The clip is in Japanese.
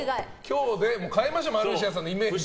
今日で変えましょうマルシアさんのイメージを。